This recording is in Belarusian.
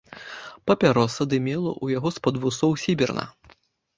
Папяроса дымела ў яго з-пад вусоў сіберна.